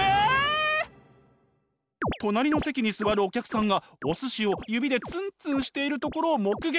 隣の席に座るお客さんがお寿司を指でツンツンしているところを目撃！